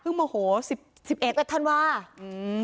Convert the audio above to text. พึ่งโอ้โห๑๑ธันวาคม